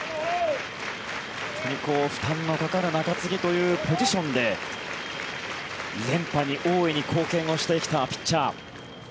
負担のかかる中継ぎというポジションで連覇に大いに貢献をしてきたピッチャー。